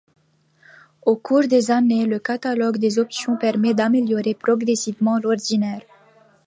Au cours des années, le catalogue des options permet d'améliorer progressivement l'ordinaire.